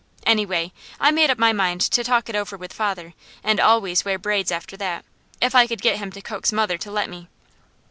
Anyway, I made up my mind to talk it over with father and always wear braids after that, if I could get him to coax mother to let me.